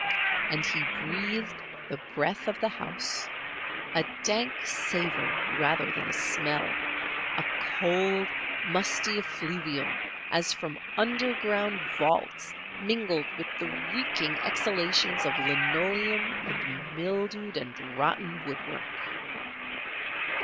And he breathed the breath of the house—a dank savour rather than a smell—a cold, musty effluvium as from underground vaults mingled with the reeking exhalations of linoleum and mildewed and rotten woodwork.